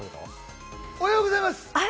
おはようございます。